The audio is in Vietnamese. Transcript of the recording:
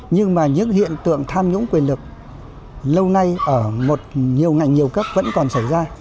nhưng mà những hiện tượng tham nhũng quyền lực lâu nay ở nhiều ngành nhiều cấp vẫn còn xảy ra